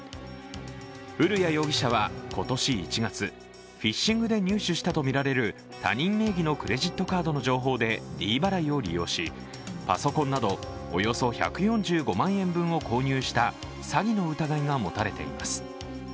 古屋容疑者は今年１月、フィッシングで入手したとみられる他人名義のクレジットカードの情報でｄ払いを利用し、パソコンなどおよそ１４５万円分を購入した詐欺の疑いが持たれています。